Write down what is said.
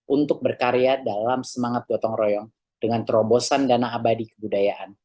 untuk berkarya dalam semangat gotong royong dengan terobosan dana abadi kebudayaan